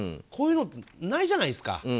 こういうの、ないじゃないですか。